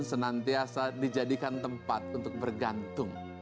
senantiasa dijadikan penyelamat